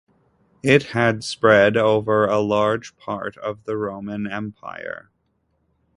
It had spread over a large part of the Roman Empire.